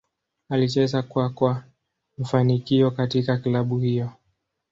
Alicheza kwa kwa mafanikio katika klabu hiyo.